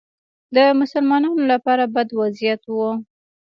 د مسلمانانو لپاره بد وضعیت و